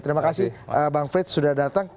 terima kasih bang frits sudah datang